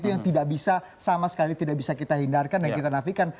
itu yang tidak bisa sama sekali tidak bisa kita hindarkan dan kita nafikan